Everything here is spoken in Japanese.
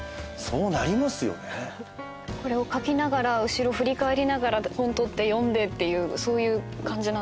これを書きながら後ろ振り返りながら本取って読んでっていうそういう感じなんですか？